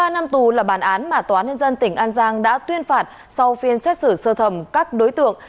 một mươi năm tù là bản án mà tòa nhân dân tỉnh an giang đã tuyên phạt sau phiên xét xử sơ thẩm các đối tượng